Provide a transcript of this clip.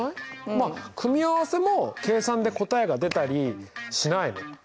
まあ組み合わせも計算で答えが出たりしないの？